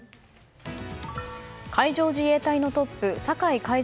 海上自衛隊のトップ酒井海上